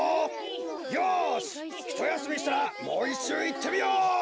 よしひとやすみしたらもういっしゅういってみよう！